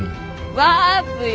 ワープよ。